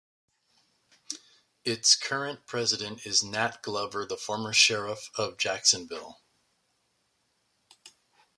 Its current president is Nat Glover, the former Sheriff of Jacksonville.